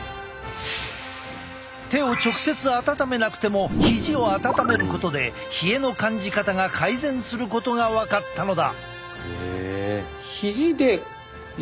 手を直接温めなくてもひじを温めることで冷えの感じ方が改善することが分かったのだ。